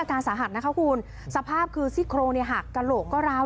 การสาหัสนะคะคุณสภาพคือซี่โครงเนี่ยหักกระโหลกก็ร้าว